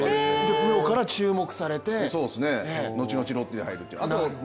プロから注目されて後々ロッテに入るとね。